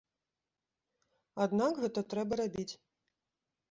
Аднак гэта трэба рабіць.